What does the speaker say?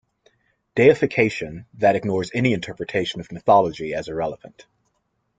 "Deification", that ignores any interpretation of mythology as irrelevant.